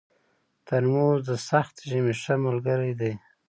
ترموز د سخت ژمي ښه ملګری دی.